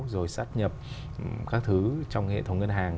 rồi sát nhập các thứ trong hệ thống ngân hàng